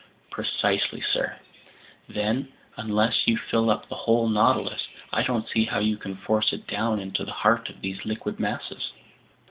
"Precisely, sir." "Then unless you fill up the whole Nautilus, I don't see how you can force it down into the heart of these liquid masses."